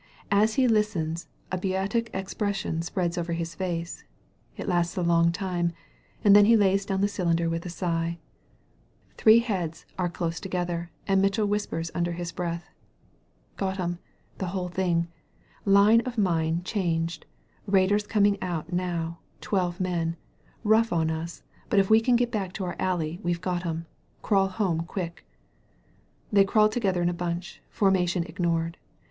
As he listens a beatific ex pression spreads over his face. It lasts a long time, and then he lays down the cylinder with a sigh. The three heads are close together, and Mitchell whispers under his breath: "Got *em — got the whole thing — line of mine changed — ^raiders coming out now — ^twelve men — rough on us, but if we can get back to our alley we've got 'em ! Crawl home quick." They crawled together in a bunch, formation ignored.